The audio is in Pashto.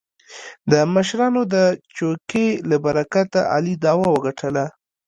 د مشرانو د چوکې له برکته علي دعوه وګټله.